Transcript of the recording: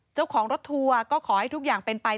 เจ้าของรถทัวร์ก็ขอให้ทุกอย่างเป็นไป